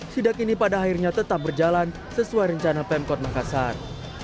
sidak ini pada akhirnya tetap berjalan sesuai rencana pemkot makassar